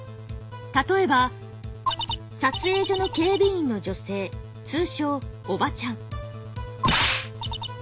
例えば撮影所の警備員の女性通称「オバチャン」。